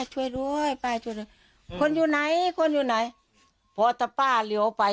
ช่วยด้วยป้าช่วยหน่อยคนอยู่ไหนคนอยู่ไหนพอถ้าป้าเลี้ยวไป